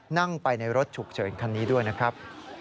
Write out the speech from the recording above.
นั่งไปในรถฉุกเฉินคันนี้ด้วยนะครับ